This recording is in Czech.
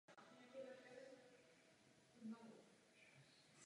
Existuje několik typů fondů.